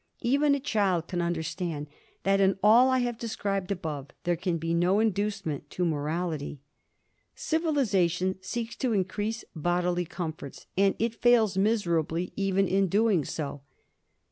Even a child can understand that in all I have described above there can be no inducement to morality. Civilization seeks to increase bodily comforts, and it fails miserably even in doing so.